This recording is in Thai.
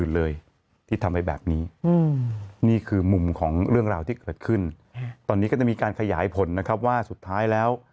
แล้วจะมีการขยายผลนะครับว่าสุดท้ายแล้ว